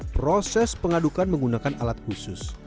proses pengadukan menggunakan alat khusus